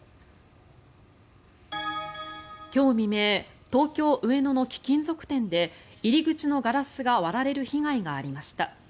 今日未明東京・上野の貴金属店で入り口のガラスが割られる被害がありました。